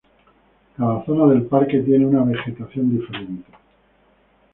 Cada zona del parque tiene una vegetación diferente.